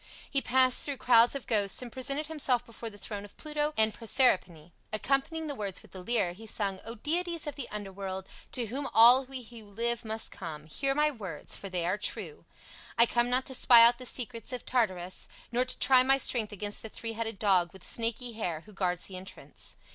He passed through crowds of ghosts and presented himself before the throne of Pluto and Proserpine. Accompanying the words with the lyre, he sung, "O deities of the underworld, to whom all we who live must come, hear my words, for they are true. I come not to spy out the secrets of Tartarus, nor to try my strength against the three headed dog with snaky hair who guards the entrance.